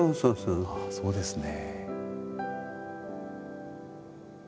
ああそうですね。